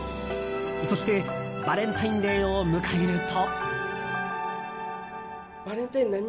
そして、バレンタインデーを迎えると。